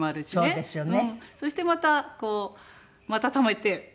そうですよね。